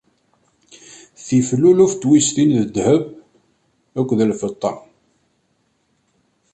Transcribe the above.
Tif luluf n twiztin n ddheb akked lfeṭṭa.